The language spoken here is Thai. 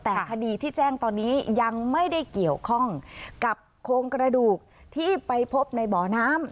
แต่คดีที่แจ้งตอนนี้ยังไม่ได้เกี่ยวข้องกับโครงกระดูกที่ไปพบในบ่อน้ำ